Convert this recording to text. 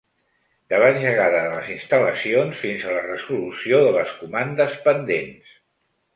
De l’engegada de les instal·lacions fins a la resolució de les comandes pendents.